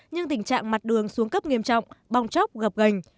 nhưng tình trạng mặt đường xuống cấp nghiêm trọng bong chóc gặp gành